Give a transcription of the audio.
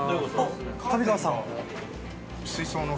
上川さん。